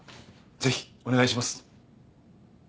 ぜひお願いします。